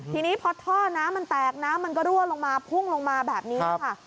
ทีนี้พอท่อน้ำมันแตกน้ำมันก็รั่วลงมาพุ่งลงมาแบบนี้ค่ะ